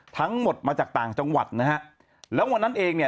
ทั้งหมดมาจากต่างจังหวัดนะฮะแล้ววันนั้นเองเนี่ย